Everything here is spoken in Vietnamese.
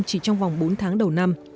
chỉ trong vòng bốn tháng đầu năm